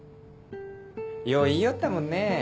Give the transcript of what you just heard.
よう言いよったもんね